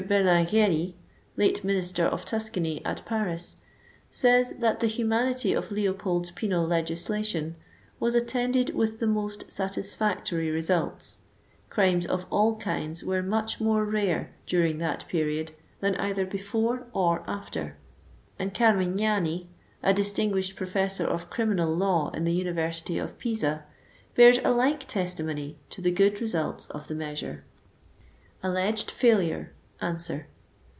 Berlin ghieri, late Minister of Tuscany at Paris, says that the humanity of Leopold's penal legislation " was attended with the most satisfactory results « Crimes of all kinds were much more rare during that period than either before or afierJ'* And Carmignani, a distinguished professor of criminal law in the University of Pisa, bears a like testimony to the good results of the measure. 101 ALLEGED FAILURE. ANSWER.